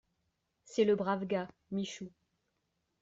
C’est le brave gars, Michou.